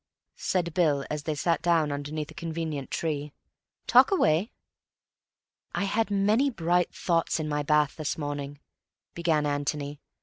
said Bill, as they sat down underneath a convenient tree. "Talk away." "I had many bright thoughts in my bath this morning," began Antony.